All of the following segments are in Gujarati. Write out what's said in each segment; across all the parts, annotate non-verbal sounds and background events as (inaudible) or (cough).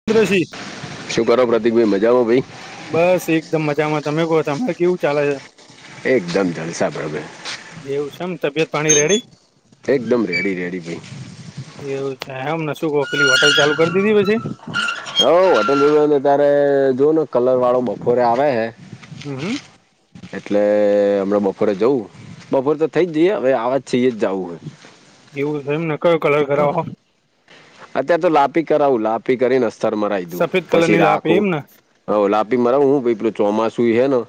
(unintelligible) શું કરો પ્રતિક ભાઈ મજામાં ભઈ? બસ એકદમ મજામાં તમે કો તમે કેવું ચાલે છે? એકદમ જલસા બડા ભઈ. છે એવું છે એમ તબિયત પાણી રેડી (unintelligible) એકદમ રેડી રેડી ભઈ. એવું છે એમ ને શું કહો પેલી હોટલ ચાલુ કરી દીધી પછી? હઓ હોટલ ને જોને ત્યારે જો ને કલર વાળો બફોરે આવે હે હમમ હમમ. એટલે હમણા બપોરે જવું બપોરે તો થઇ જ જઈએ હવે આવાજ થય જ જવું હ. એવું એમ ને કયો કલર કરાવ હો. અત્યારે તો લાપી કરાવું. લાપી કરાય ને અસ્તર મરાઈ દઉ સફેદ કલર પછી ની લાપે રાખું. એમને હઓ લાપી મારવું હું ભઈ એટલિબચોમાસું હે ને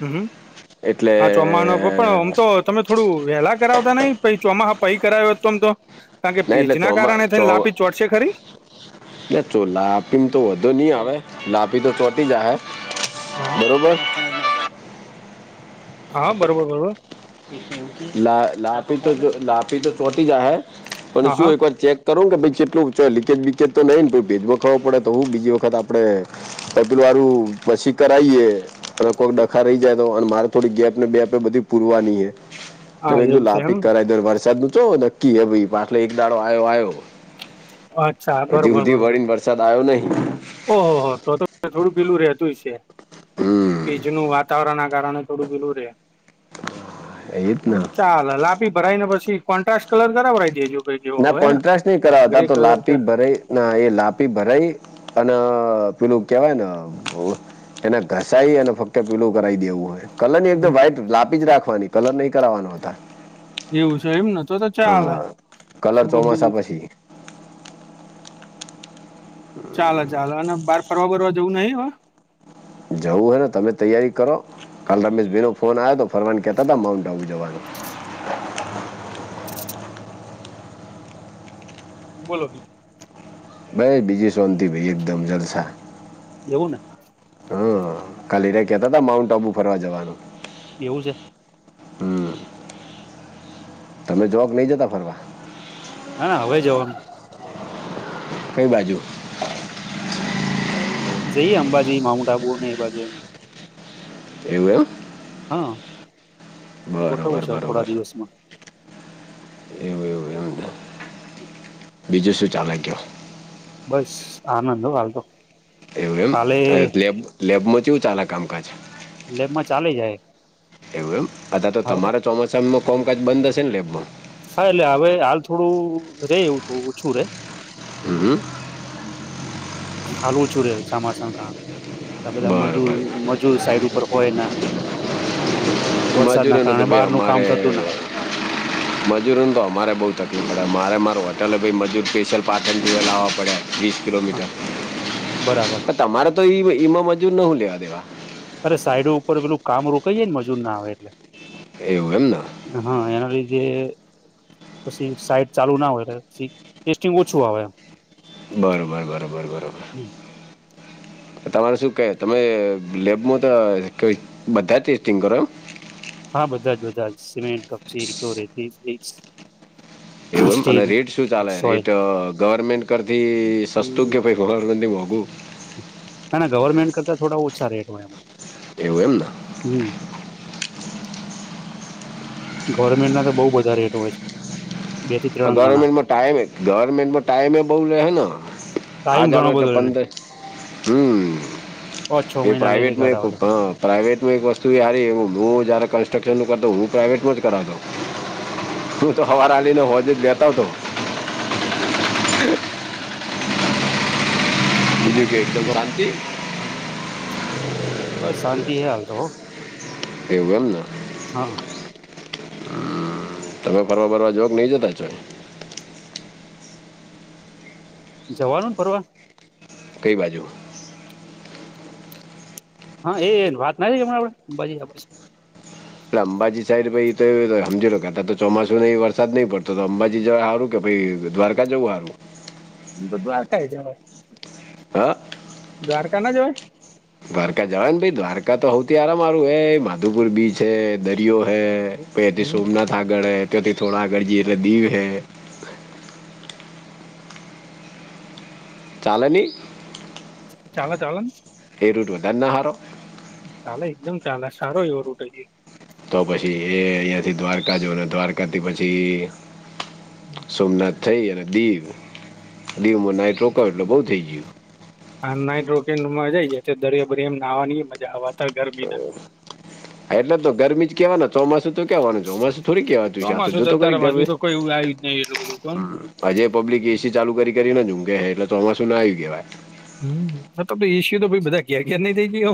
હમ્મ હમ્મ એટલે હા ચોમાણ પણ આમ તો તમે થોડું વેલા કરાવતા નઈ પૈ ચોમાહા પૈ કરાયો હોય તમ તો. કારણ કે ભેજ એટલે ના ચોમા કારણે થને લાપી ચોટશે ખરી? ના ચો લાપીને તો વાંધો નહી આવે લાપી તો ચોટી ચાહે હા બરોબર. હા, બરોબર બરોબર. લા લાપી તો લાપી તો ચોટી જાહે પણ હા શું હા એક વાર ચેક કરવુ કે ભઈ કેટલું લીકેેજ બીકેજ તો નઈને ભેજનું ખબર પડે તો હું બીજી વખત આપડે પતરું હારું પછી કરાઈએ. કોક ડખા રય ગયા તો અને મારે થોડી ગેપ ને બેપ ને બધી પૂરવાની. છે મેં હા કીધું એવું છે લાપિ એમ કરાવી દેવ. વરસાદ નું ચો નક્કી હે ભાઈ એટલે એક દાડો આયો આયો. અચ્છા અજી બરોબર હુધી બરોબર વડી ને વરસાદ આયો નહી. ઓહો તો તો થોડું પેલું રહેતું જ છે. હમમ. ભેજ નું વાતાવરણ ના કારણે થોડું પેલું રેય એ જ આમ ને તો ચાલે લાપી લાપી ભરાઈ ને પછી કોન્ટ્રા્સટ કલર કરાવ ડાઈ દેજો. કઈ જેવો ના હોય ને કોન્ટ્રાસટ નય કરાવતા ગ્રે તો કલર કે લાપી ભરાય. ના એ લાપી ભરાઈ અને અ પેલું કેવાય ને અ એને ઘસાઈ અને ફક્ત પેલું કરાય દેવું હ. કલર ની એકદમ વ્હાઈટ લાપી જ રાખવાની. કલર નય કરાવવાનો અતાર. એવું છે એમ ને તો તો ચાલે કલર શું કો ચોમાસા બીજું. પછી ચાલે ચાલે અને બહાર ફરવા બરવા જવું નય હવે. જવું હને તમે તૈયારી કરો કાલ રમેશભાઈનો ફોન આવ્યો તો ફરવા નું કેતા તા માઉન્ટ આબુ જવાનું. બોલો બીજું. ભાઈ બીજી શાતિ ભાઈ એકદમ જલસા. એવુ ને. હમમ કાલે રાઈ કેતા તા માઉન્ટ આબુ ફરવા જવાનું. એવું છે. હમમ. તમે જોક નઈ જતા ફરવા. ના ના હવે જવાનું. કઈ બાજુ? જઈએ અંબાજી, માઉન્ટ આબુ ને એ બાજુએ એવું એમ. હા ગોઠવું છે હવે થોડા દિવસમાં. એવુ એવુ એમ (inaudible) બીજું શું ચાલે કેવો? બસ આનંદ હો હાલ તો. એવું એમ કાલે અ લેબ લેબમાં કેવું ચાલે કામકાજ. લેબમાં ચાલી જાય. એવું એમ અતારે તો હા તમારા ચોમાસામાં કોમકાજ બંધ હશે ને લેબમાં? હા એટલે હવે હાલ થોડું રેય એવું થોડું ઓછું રેય. હમમ. હાલ ઓછું રે ચમાસા ના કારણે તા બધા મજૂર બરોબર મજૂર સાઈડ ઉપર ઉપર હોય ના વરસાદ ના મજૂરોને તો કારણે બારનું કામ થતું ના મજૂરો તો અમારે બઉ તકલીફ પડે. મારે મારે હોટેલે મજૂર સ્પેશયલ પાટણ લાવવા પડે. ના કિલોમીટર બરાબર પણ તમારે તો ઈ ઈમાં મજૂર ને હું લેવા દેવા. અરે સાઈડ ઉપર પેલું કામ રોકાઈ જાય ને મજૂર ના આવે એટલે. એવું એમને હા એના લીધે પછી સાઈટ ચાલુ ના હોય પછી ટેસ્ટિંગ ઓછું આવે. બરોબર બરોબર બરોબર. એમ (inaudible) તમારે શું કેય તમે લેબમાં તો કય બધા ટેસ્ટિંગ કરો. હા બધા જ બધા જ. સિમેન્ટ, કપચી એકલો રેતી, ઇંટ. એવું એમ અને રેટ શું ચાલે સોય રેટ ગવર્મેન્ટ કરતી સસ્તું કે ભાઈ ગર્વમેરન્ટ તી મોઘું? ના ના ગવર્મેન્ટ કરતા થોડા ઓછા રેટ હોય એમ એવું એમન હમ્મ ગવર્મેન્ટના તો બઉુ બધા રેટ હોય છે. બે થી ત્રણ ગણા ગવર્મેન્ટમાં ટાઈમે ગવર્મેન્ટમાં ટાઈમે બઉ લે ને હ આ ટાઈમ ચાલો ઘણો એટલે બધો લે પંદર હમ્મ પાંચ છ એ મહિના લઈ લે પ્રાઈવેટમાં એક ગાળા બધો (unintelligible) પ્રાઇવેટમાં એક વસ્તુ એ હારી. હું જ્યારે કન્સ્ટ્રક્શનનું કરતો હું પ્રાઇવેટમાં જ કરાવતો તું તો હવાર હલીને હોજ જ લતા આવતો અને બીજું કે એકદમ શાંતિ (unintelligible) બસ શાંતિ એ હાલ તો હો એવુ એમ ને (inaudible) તમે ફરવા બરવા જો કે નહીં જતા છો જવાનું ને ફરવા કઈ બાજુ હા એ વાત ના (unintelligible) એટલે અંબાજી સાઈડા તો (unintelligible) તો ચોમાસું ન વરસાદ નહીં પડતો તો અંબાજી સારું કે ભાઈ દ્વારકા જવું હારુ બ દ્વારકા જવા યે હા દ્વારકા ના જવાય દ્વારકા જવા ને ભાઈ દ્વારકા તો હવતુ હરામાં હારું એ માધુપુર બીચ હ દરિયો હૈ કોતિ હમ સોમનાથ આગઢ હૈ તોતિ થોડા આગળજી દીવ હૈ ચાલે ની ચાલો ચાલોની (unintelligible) હારો ચાલે એકદમ ચાલે સારો એવો રૂટ હ તો પછી એ અહીંયાથી દ્વારકા જને દ્વારકાથી પછી હમ્મ સોમનાથ થઈ અને દીવ દીવમાં નાઈટ રોકાવ એટલે બહુ થઈ ગયું હા નાઇટ રોકિંગ મજા જ દરિયો બરિયો એમ નાહવાની મજા આવવાતા ગરમી ના એટલે તો ગરમી જ કેવા ચોમાસું (unintelligible) ચોમાસું જતા હજુ તો કોઈ એવું આવ્યું જ નહી એટલું બધું કોણ હમ્મ હજે પબ્લિક એસી ચાલુ કરીને ઊઘે હ એટલે ચોમાસું ના આવી કહેવાય હમ્મ એસિયો તો બધા ઘેર ધેર નઈ થઇ ગય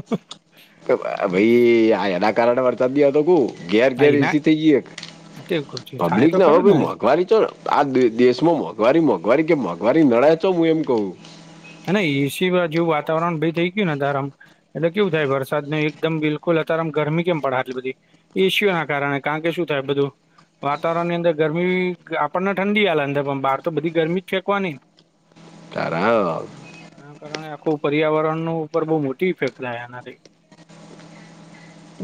ભાઈ આ એના કારણે વર્તવ્ય હતો કુ ઘેર ના ઘેર એ ના એસી થઈ ગય એક તે થાય પબ્લિક તો ના હવે ખરું ભાઈ ને મોંઘવારી જો આ દેશ માં મોંઘવારી મોંઘવારી કે મોંઘવારી નડાય તો હું એમ કહું હને એસી જેવું વાતાવરણ ભય થઇ ગયું ને ગરમ એટલે કેવું થાય વરસાદ ને એકદમ બિલકુલ અત્યારે આમ ગરમી કેમ પડ એટલી બધી ઈસ્યુ ના કારણે કારણ કે શું થાય બધું વાતાવરણ ની અંદર ગરમી આપણને ઠંડી આવેલ અંદર પણ બહાર તો બધી ગરમી જ ફેંકવા નહી તરાવ એના કારણે આખું પર્યાવરણનુ ઉપર બો મોટી ઇફેક્ટ થાય એનાથી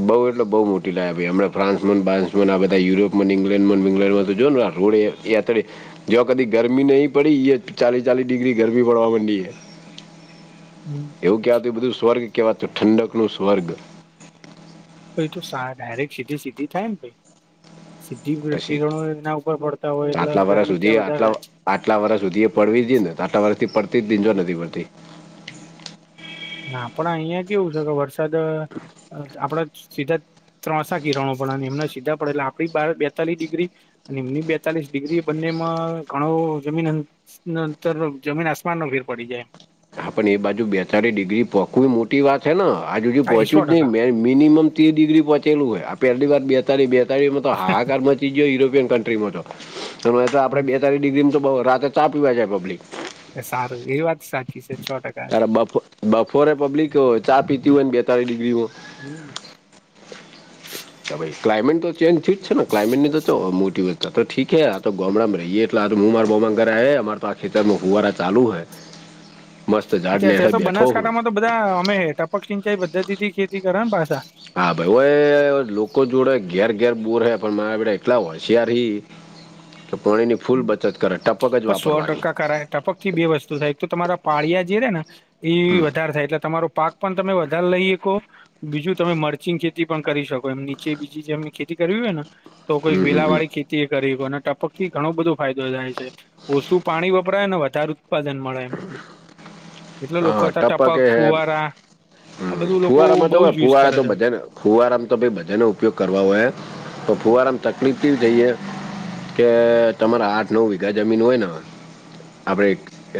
બો એટલે બો મોટી લાગ્યા ભાઈ હમણા ફાન્સ બાન્સ અને આધા યુરોપ ઈંગ્લેન્ડમા વિઇંગ્ન્ડ તો જો ને આ રોડે એ અતડીે જો કદી ગરમી નહી પડી એ ચાલીસ ચાલીસ ડિગ્રી ગરમી પડવા માંડી છે એવું કહેવાતું એ બધું સ્વર્ગ કવાતું ઠંડક નું સ્વર્ગ પછ તો ડાયરેક્ટ સીધી સીધી થાય ને ભાઈ સીધી પછી કિરણો એના ઉપર પડતા હોય એટલે આટલા વર્ષ ગરમી સુધી ક્યાં વધારે આટલા થાય આટલા વર્ષ સુધી એ પડવી જઈએ ને તો આટલા વરષથી પડતી જ દીનજો નથી પડતી ના આપણા અહીયા કેવું છે, કે વરસાદ આપણા સીધા જ ત્રણસા કિરણો પણને એમને સીધા પડે આપડી બેતાલી ડિગ્રી અને એમની બેતાલીસ ડિગ્રી બંનેમાં ઘણો જમીન નંતર જમીન આસમાનન ફેર પડી જાય હા પણ એ બાજુ બેતાડી ડિગ્રી પોકુ મોટી વાત છે ન આજુ હા એ સો પહોંચ્યું જ નહી ટકા મે મિનિમમ ત્રીર ડિગ્રી પહોચલું હોય આ પહેલી બેતાળી બેતાળીમાં તો હાકારમાં મ યુરોપિયન કન્ટ્રીમાં તો તો આપડે બેતાલીસ ડિગ્રી તો રાતે ચા પીવા જાય પબ્લિક સારું એ વાત સાચી છે. છ ટકા છે તારે બફ બફોરે પબ્લિક ચા પીતી હોયને બેતાલીસ ડિગ્રી હો હમમ. કે ભાઈ ક્લામેટ તો ચેજ ઠીહે છે ને ક્લામેટની તો મોટી તો ઠીકે આ તો ગોમડા રહીએ એટલે (inaudible) અમાર તો આ ખેતરમાં ફુવારા ચાલુ હે મસ્ત ઝાડ અચ્છા ને અચ્છા તો બેઠો હું બનાસકાંઠામાં તો બ ધા અમે ટપકસિચાય પધ્તિથી ખેતી કરેને પાસા હા ભાઈ હો એ લોકો જોડે ઘેર ઘેર બોર હે પણ મારાડ એટલા હોશિયાર હી હ તો પોણીની ફૂલ બચત કરે ટપક જ પણ સો વાપરવાની ટકા કરાય ટપકથી બે વસ્તુ થાય એક તો તમારા પાળિયા જે રે ને એ વધારે થાય એટલે તમારો પાક પણ તમે વધારે લઈ હકો બીજું તમે મરચીગ ખેતી પણ કરી શકો એમ નીચે બીજી જેમની ખેતી કરવી હોય ને તો કોઈક હમ હમ હમ. વેલાવાળી ખેતી એ કરી અને ટપક ઘણો બધો ફાયદો થાય છે, ઓછું પાણી વપરાય ને વધારે ઉત્પાદન મળે એમ એટલે લોકો હા હતા ટપક એ હે ફુવારા હમ. આ બધું લોકો બોવ જ યુઝ કરે છે. ફુવારામ તો ભય બધાને ઉપયોગ કરવા હોય તો ફુવારામ તકલીફથી જઈએ કે તમારા આઠ નવ વીઘા જમીન હોય ને આપડે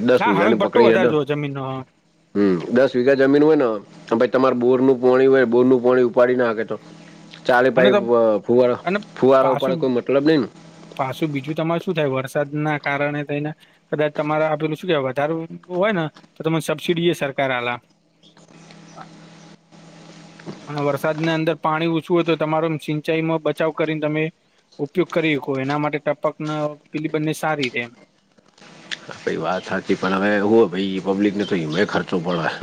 એ દસ વિધા પકડી એ ત જમીન હમ દસ વીઘા જમીન હોય ને ભાઈ તમાર બોરનું પાણી હોય બોર નું પાણી ઉપાડી નાખે તો ચાલે ભાઈ અને ફુવાર અને ફુવારો ઉપર પાછું કોઈ મતલબ નઈને પાછું બીજું તમારે શું થાય વરસાદના કારણે થઈને કદાચ તમારે આપે શું કેવાય વધારે હોય ને તો તમે સબસિડી સરકાર આલા અને વરસાદને અંદર પાણી ઓછું હોય તો તમારો સિંચાઈમાં બચાવ કરીને તમે ઉપયોગ કરી હકો એના માટે ટપકના પેલી બંને સારી રે એમ પાઈ વાત સાચી પણ હવે હું ભાઈ પબ્લિકને તોમેય ખર્ચો પડે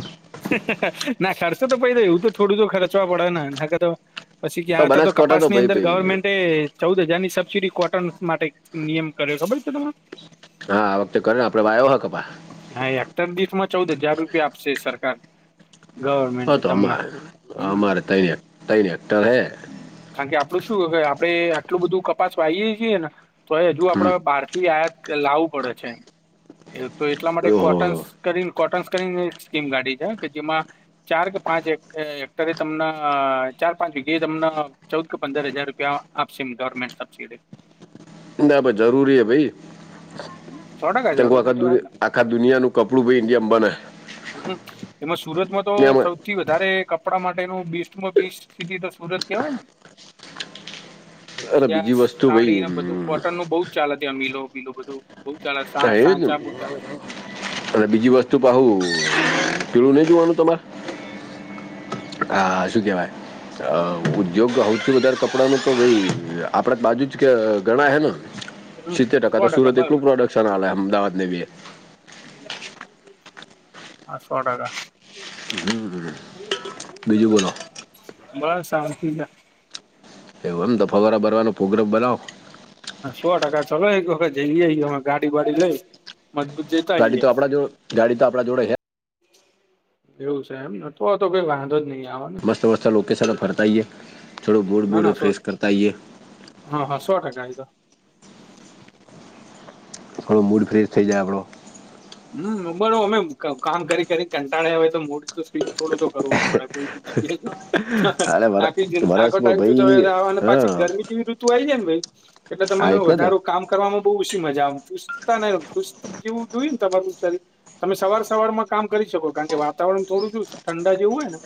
ના ખર્ચો તો પહી એવું તો થોડું જો ખર્ચવા પડે ને (inaudible) પછી ક્યાં હતા તો બનાસકાંઠા કપાસની ભાઈ અંદર ભાઈ ગવર્મેન્ટ એ ચૌવુદ હજાર ની સબસિડી કોટન માટે નિયમ કર્યો ખબર છે, તમને? હા આ વખતે કરે ને આપડે વાયો હક પા હા હેક્ટર દીઠમાં ચૌવુદ હજાર રૂપિયા આપશે સરકાર હ ગવર્મેન્ટ તો તમને અમારે હમ અમારે ત તૈ એક્ટર હૈ કારણ કે આપડું શું આપડે આટલું બધું કપાસ વાહીએ છીએ ને તો હજુ હમ આપડ બારથી આયાત કે લાવું પડે છે, એમ તો એટલા માટે કોટન્સ ઓહો કરીને કોટન્સ કરીને એક સ્કીમ કાઢી છે, કે જેમાં ચાર કે પાંચ હેક‌ એ હેક્ટરે તમને ચાર પાંચ વિગ્યા તમને ચૌદ કે પંદર હજાર રૂપિયા. આપ સિઘરમેન્ટ સબ્સિડી. ના જરૂરી હે ભાઈ સો ટકા જરૂરી તો હેને (unintelligible) આખા દુનિયાનું કપડું ભી ઇન્ડિયા બને હ એમાં સુરતમાં તો એમાં સૌ થી વધારે કપડાં માટેનું બીસટમાં બીસ સિટી તો સુરત કહેવાય ને અરે જ્યાં બીજી વસ્તુ સાડી ભઈ. ને બધું કોટન નું બહુ જ ચાલે ત્યાં મીલો મીલો બધું બઉુ ચાલે સા હા એ જ ને સાચા બહુ ચાલે. અને બીજી વસ્તુ પહું પેળું નહિ જોવાનું તમારે. હા શું કેવાય. અ ઉદ્યોગ હોવથી વધારે કપડા નુ તો ભઈ આપડા બાજુ જ કે ગણા હે ને. . (unintelligible) સિત્તેર ટકા તો સુરત એકલું પ્રોડક્શન આલે અમદાવાદ ને બી. હા સો ટકા. હ બીજું બોલો. બસ શાંતિ જ. એવું એમ દફાવરા ભરવાનો પ્રોગ્રામ બનાવો. હ સો ટકા ચલો એક વખત જ‌ઈએ આઇએ ગાડી બાડી લઈ. (unintelligible) ગાડી તો આપણા જો ગાડી તો આપણા જોડે હે. એવું છે એમ નતો તો વાંધો જ નહીં આવે. ને તો વસ્તા લોકેશન ફરતાઈએ થોડો મુડ ના બુડ ના સો ફ્રેશ કરતા આઈએ. હા હા સો ટકા એ દમ. આપણો મૂડ ફ્રેશ થઈ જાય આપણો. હમ બરો અમે કામ કરી કરી કંટાળ્યા હોય તો મુડ તો સ્વિંગ થોડું તો કરવો જ પડે કોઈ. કે. અરે વર આખી જિ આખો વરસમાં ટાઈમ ભાઈ શું હા પાછી ગરમી કેવી ઋતુ આ જાય ને ભઈ. એટલે તમાર હા ને વધારો કામ કરવામાં બહુ ઓછી મજા આવે ચુસ્તતા ને ચુસ્ત જેવું જોઈ. તમે સવાર સવાર માં કામ કરી શકો કારણ કે વાતાવરણ થોડું શું ઠંડા જેવું હોય ને.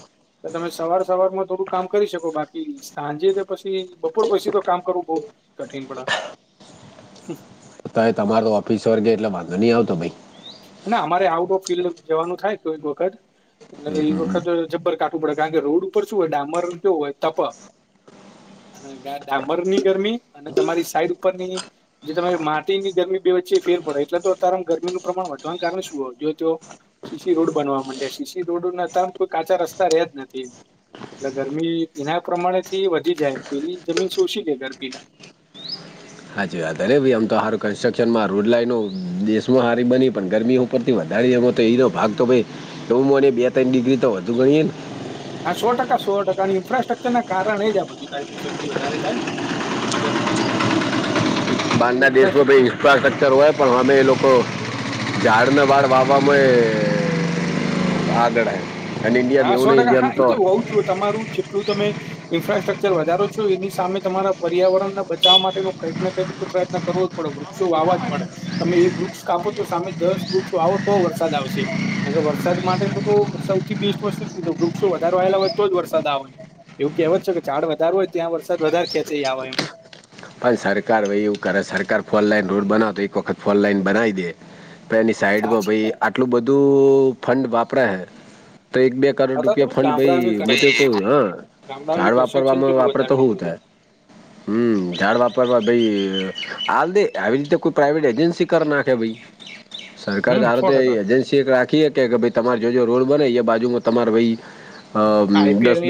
તમે સવાર સવારમાં થોડું કામ કરી શકો બાકી સાંજે તો પછી બપોર પછી તો કામ કરવું બહુ. કઠિન પણા તાય તમારો ઓફિસ વર્ગે એટલે વાંધો નહી આવતો ભઈ. અમારે આઉટ ઓફ ફિલ્ડ જવાનું થાય કોઈક વખત. એટલે એ વખત જબ્બર કાટું પડે કારણ કે રોડ ઉપર શું હોય ડામર કેવું હોય તપ. અને ડાબર ની ગરમી અને તમારી સાઈડ ઉપર ની જે તમે માટીની ગરમી બે વચ્ચે ફેર પડે એટલે તો તારમ ગરમીનું પ્રમાણ વધવાને કારણે શું હોય જો તો. શીશી રોડ બનવા માંડ્યા શીશી રોડ ના તપ કાચા રસ્તા રહે જ નથી. એટલે ગરમી એના પ્રમાણે થી વધી જાય પેલી જમીન શોષી લે ગરમી ના. હાચી વાત અરે ભાઈ આમ તો હારું કન્સ્ટ્રક્શન માં રોડ લાઈનો દેશમાં હારી બની પણ ગરમી. ઉપર થી વધારી એમાં તો એનો ભાગ તો ભાઈ ડોમો ને બે ત્રણ ડિગ્રી તો વધુ ગણીએ ને. હા સો ટકા સો ટકા અને ઇન્ફ્રાસ્ટ્રક્ચર ના કારણ એ જ આ બધું થાય સૌથી વધારે થાય. જમ. બહારના દેશો ભઈ. ઇન્ફ્રાસ્ટ્રક્ચર હોય પણ અમે એ લોકો ઝાડને વાળ વાવવામાં એ. આગળ આઇ ને ઇન્ડિયા એવું નહી ઇન્ડિયા તો. જો તમારું જેટલું તમે. ઇન્ફ્રાસ્ટ્રકચર વધારો છો એની સામે તમારા પર્યાવરણ ના બચાવવા માટેનું કંઈક ના કંઈક. પ્રયત્ન કરવો પડે વૃક્ષો વાવા જ પડે. તમે એક વૃક્ષ કાપો તો સામે દસ વૃક્ષ વાવો તો વરસાદ આવશે. વરસાદ માટેનું તો સૌથી બેસ્ટ વસ્તુ શું છે વૃક્ષો વધારો આવેલા હોય તો જ વરસાદ આવે. એવું કહેવત છે કે ઝાડ વધારારે હોય ત્યાં વરસાદ વધારે ખેંચયી આવે એમ. પણ સરકાર ભ‌ઇ એવું કરે સરકાર ફોર લાઈન રોડ બનાવ તો એક વખત ફોર લાઈન બનાવી દે. પ એની સાઈડમાં સાચી ભાઈ વાત. આટલું બધું ફંડ વાપરા હે તો એક બે. કરોડ અત્યારે તો રૂપિયા ફંડ ભાઈ ગામડાનું હું તો કહુ કન્સ્ટ્રક્શન હ ગામડાનું ઝાડ કન્સ્ટ્રક્શન વાપરવામાં કેટલું વાપરે વધારી તો હું દીધું છે. થાયે. હું. ઝાડ વાપડવા ભાઈ હાલ દે આવી રીતે કોઈ પ્રાઇવેટ એજન્સી કરી નાખે ભાઈ સરકાર હમ્મ, તાર તો એજસી (unintelligible) રાખીએ કેાઈ તમારે જો જો રોલ બને એ બાજુમાં તમારે અ દસ દસ આઈપીએલની